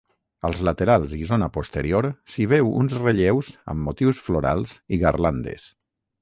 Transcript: Als laterals i zona posterior, s'hi veu uns relleus amb motius florals i garlandes.